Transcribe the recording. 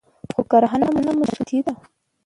خو کرهنه مو سنتي ده